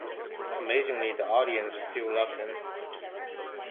Amazingly, the audience still loved them.